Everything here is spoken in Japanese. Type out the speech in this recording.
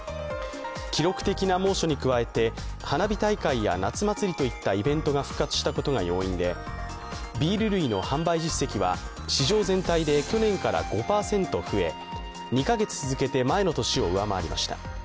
記録的な猛暑に加えて花火大会や夏祭りといったイベントが復活したことが要因で、ビール類の販売実績は市場で去年から５％増え２か月続けて前の年を上回りました。